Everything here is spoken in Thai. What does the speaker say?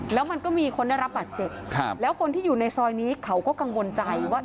แล้วมันก็มีคนได้รับบาดเจ็บครับแล้วคนที่อยู่ในซอยนี้เขาก็กังวลใจว่า